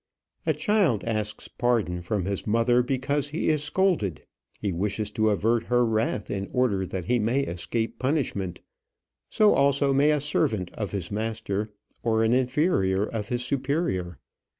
A child asks pardon from his mother because he is scolded. He wishes to avert her wrath in order that he may escape punishment. So also may a servant of his master, or an inferior of his superior.